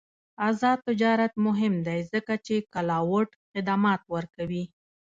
آزاد تجارت مهم دی ځکه چې کلاؤډ خدمات ورکوي.